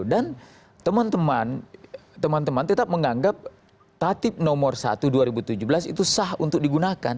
dan teman teman tetap menganggap tatip nomor satu dua ribu tujuh belas itu sah untuk digunakan